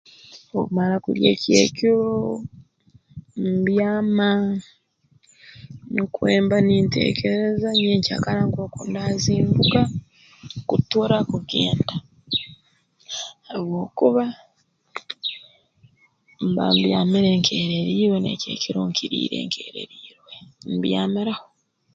Obu mmara kulya eky'ekiro mbyama nukwo mba ninteekereza nyenkyakara nk'oku ndaazinduka kutura kugenda habwokuba mba mbyamire nkeereriirwe n'eky'ekiro nkiriire nkeereriirwe mbyamiraho